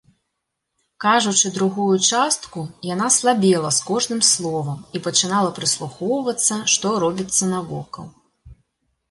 Кажучы другую частку, яна слабела з кожным словам і пачынала прыслухоўвацца, што робіцца навокал.